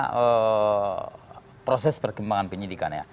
karena proses perkembangan penyidikan ya